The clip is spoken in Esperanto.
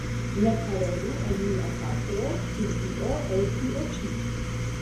Ne parolu al mia patro pri io el tio ĉi.